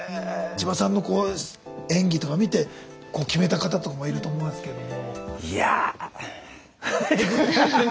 千葉さんの演技とか見て決めた方とかもいると思いますけども。